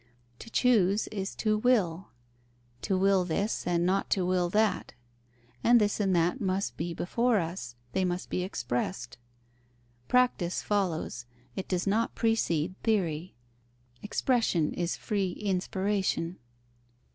To choose is to will: to will this and not to will that: and this and that must be before us, they must be expressed. Practice follows, it does not precede theory; expression is free inspiration.